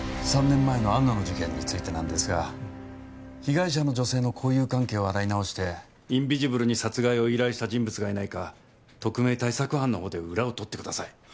３年前の安野の事件についてなんですが被害者の女性の交友関係を洗い直してインビジブルに殺害を依頼した人物がいないか特命対策班のほうで裏を取ってください